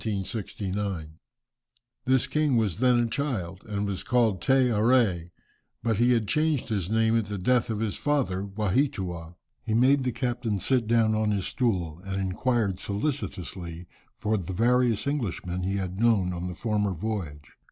This king was then a child, and was called Te Arée, but he had changed his name at the death of his father Waheatua. He made the captain sit down on his stool, and inquired solicitously for the various Englishmen he had known on the former voyage.